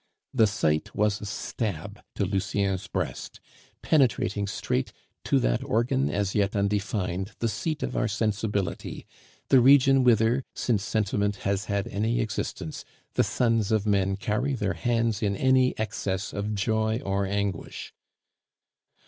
The sight was a stab to Lucien's breast; penetrating straight to that organ as yet undefined, the seat of our sensibility, the region whither, since sentiment has had any existence, the sons of men carry their hands in any excess of joy or anguish.